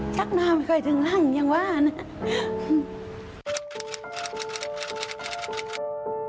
ชักหน้าไม่ค่อยถึงรั่งอย่างว่านะ